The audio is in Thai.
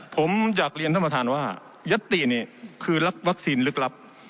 ผมอยากเรียนท่านประธานว่ายัตตินี่คือวัคซีนลึกลับ